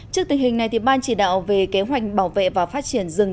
trước tình hình này ban chỉ đạo về kế hoạch bảo vệ và phát triển rừng